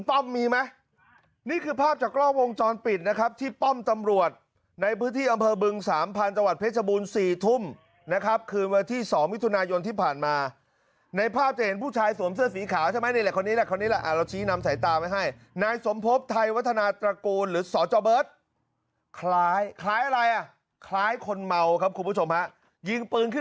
ป้อมมีไหมนี่คือภาพจากกล้องวงจรปิดนะครับที่ป้อมตำรวจในพื้นที่อัมเภอบึงสามพันธ์ประชบู